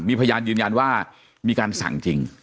มีพยานยืนยันว่ามีการสั่งจริง